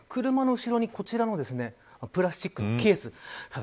車の後ろにこちらのプラスチックのケース